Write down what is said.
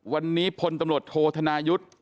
วันนี้พลตำรวจโทษธนายุทธ์